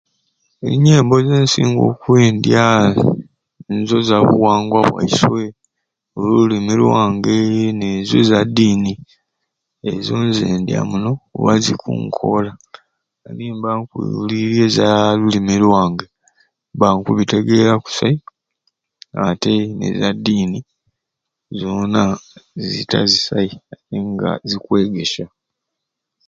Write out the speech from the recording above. Enyembo zensinga okwendya nizo zabuwangwa bwaiswe olulimi lwange n'ezo eza ddiini ezo zendya muno kuba zikunkoora nimba nkuwuliirya eza lulimu lwange mba nkubitegeera kusai ate n'eza ddiini zoona zita zisai nga zikwegesya.